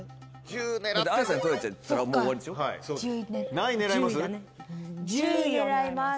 何位狙います？